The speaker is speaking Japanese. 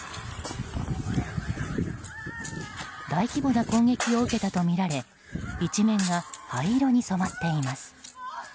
大規模な攻撃を受けたとみられ一面が灰色に染まっています。